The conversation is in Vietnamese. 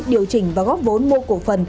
điều chỉnh và góp vốn mua cổ phần